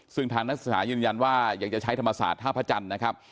ซึ่งทางนักศึกษายืนยันว่ายังจะใช้ธรรมศาสตร์ท่าพระจันทร์นะครับ